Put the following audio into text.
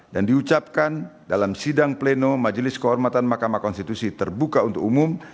dan diucapkan dalam sidang pleno majelis kehormatan makam konstitusi terbuka untuk umum